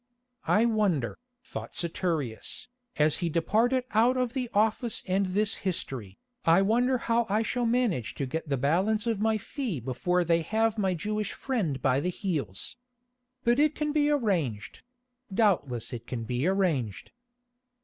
"I wonder," thought Saturius, as he departed out of the office and this history, "I wonder how I shall manage to get the balance of my fee before they have my Jewish friend by the heels. But it can be arranged—doubtless it can be arranged."